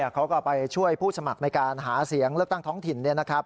เขาก็ไปช่วยผู้สมัครในการหาเสียงเลือกตั้งท้องถิ่น